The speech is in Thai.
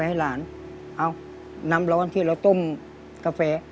จนจะเป็นนิสัย